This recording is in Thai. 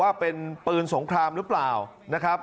ว่าเป็นปืนสงครามหรือเปล่านะครับ